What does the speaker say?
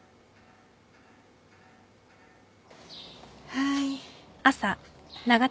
はい。